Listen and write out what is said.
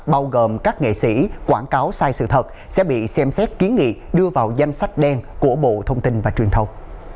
bao gồm các nghệ sĩ quảng cáo sai sự thật sẽ bị xem xét kiến nghị đưa vào danh sách đen của bộ thông tin và truyền thông